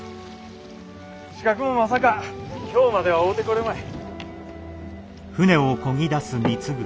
刺客もまさか京までは追うてこれまい。